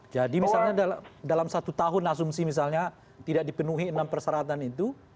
jadi misalnya dalam satu tahun asumsi misalnya tidak dipenuhi enam perserahan itu